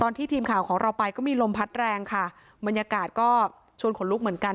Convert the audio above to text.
ทีมข่าวของเราไปก็มีลมพัดแรงค่ะบรรยากาศก็ชวนขนลุกเหมือนกัน